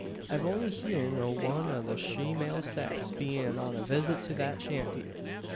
I've only heern o' one o' the shemale sex bein' on a visit to thet shanty."